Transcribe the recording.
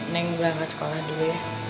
neng berangkat sekolah dulu ya